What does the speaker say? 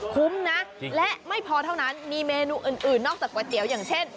คุ้มนะและไม่พอเท่านั้นมีเมนูอื่นนอกจากก๋วยเตี๋ยวอย่างเช่น